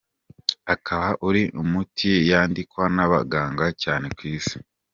Akaba uri mu miti yandikwa n’abaganga cyane ku isi.